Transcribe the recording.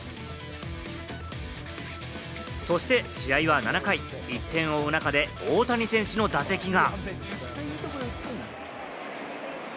そして試合は７回、１点を追う中で大谷選手の打席が。